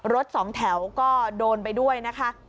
รถสองแถวก็โดนไปด้วยนะคะ